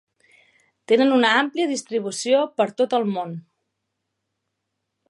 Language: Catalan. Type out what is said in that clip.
Tenen una àmplia distribució per tot el món.